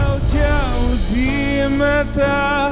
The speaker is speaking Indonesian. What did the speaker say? engkau jauh di mata